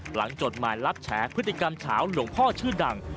จดหมายรับแฉพฤติกรรมเฉาหลวงพ่อชื่อดัง